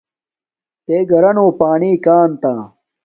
تے گھارونو پانیک آتا